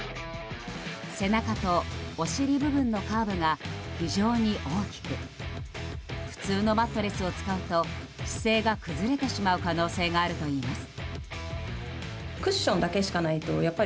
背中とお尻部分のカーブが非常に大きく普通のマットレスを使うと姿勢が崩れてしまう可能性があるといいます。